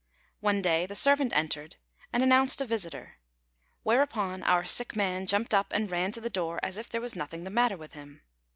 One day the servant entered and announced a visitor; whereupon our sick man jumped up and ran to the door as if there was nothing the matter with him.